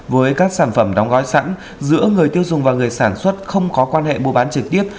với các sản phẩm đóng gói sẵn giữa người tiêu dùng và người sản xuất không có quan hệ mua bán trực tiếp